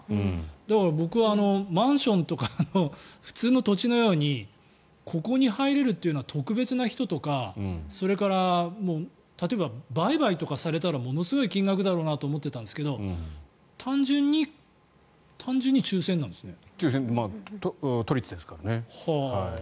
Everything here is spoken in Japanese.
だから、僕はマンションとか普通の土地のようにここに入れるというのは特別な人とかそれから例えば売買とかされたらものすごい金額だろうなと思っていたんですが都立ですからね。